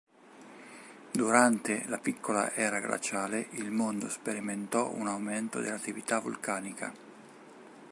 Durante la piccola era glaciale il mondo sperimentò un aumento dell'attività vulcanica.